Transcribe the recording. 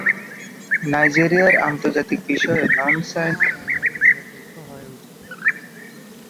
Nigeria আন্তর্জাতিক বিষয়ে "non signed" না হয়ে "নিরপেক্ষ" হয়ে ওঠে।